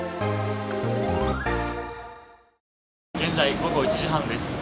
現在、午後１時半です。